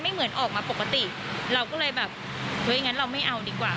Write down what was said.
เหมือนออกมาปกติเราก็เลยแบบเฮ้ยงั้นเราไม่เอาดีกว่า